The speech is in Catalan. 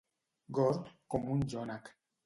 Gord com un jònec.